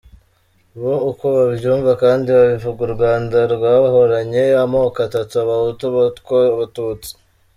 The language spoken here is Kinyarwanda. Bo uko babyumva kandi babivuga, u Rwanda rwahoranye amoko atatu: Abahutu, Abatwa, Abatutsi.